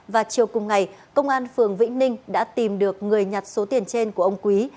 và chiều cùng ngày công an phường vĩnh ninh đã tìm được người nhặt số tiền trên của ông quý